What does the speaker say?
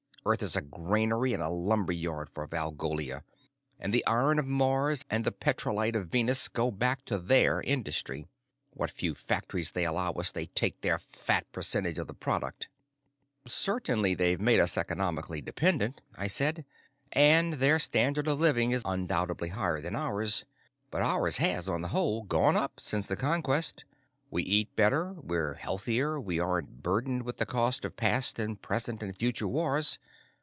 Earth is a granary and a lumberyard for Valgolia, and the iron of Mars and the petrolite of Venus go back to their industry. What few factories they allow us, they take their fat percentage of the product." "Certainly they've made us economically dependent," I said, "and their standard of living is undoubtedly higher than ours. But ours has, on the whole, gone up since the conquest. We eat better, we're healthier, we aren't burdened with the cost of past and present and future wars.